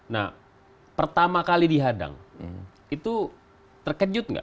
nah pertama kali dihadang itu terkejut nggak